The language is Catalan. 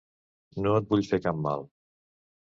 No et vull fer cap mal.